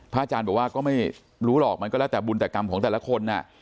อาจารย์บอกว่าก็ไม่รู้หรอกมันก็แล้วแต่บุญแต่กรรมของแต่ละคน